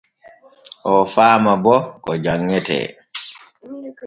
Oo faama bo ko janŋintee.